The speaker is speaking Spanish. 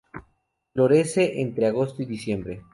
Florece entre agosto y diciembre.